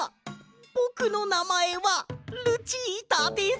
ぼくのなまえはルチータです。